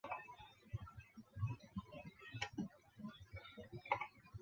奥特朗托是位于义大利东南部普利亚大区莱切省的一个城市。